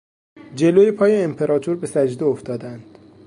جلو پای امپراتور به سجده افتادند.